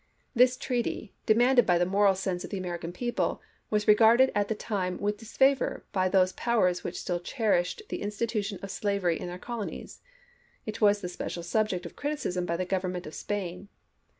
1862, This treaty, demanded by the moral sense of the American people, was regarded at the time with disfavor by those powers which stiU cherished the institution of slavery in their colonies. It was the special subject of criticism by the Government of Spain.